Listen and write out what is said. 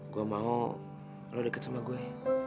gue mau lo deket sama gue